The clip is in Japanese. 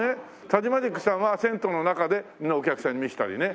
タジマジックさんは銭湯の中でお客さんに見せたりね。